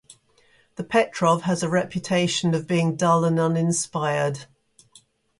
The Petrov has a reputation of being dull and uninspired.